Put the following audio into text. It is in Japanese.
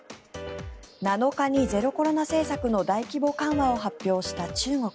７日にゼロコロナ政策の大規模緩和を発表した中国。